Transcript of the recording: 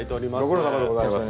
ご苦労さまでございます。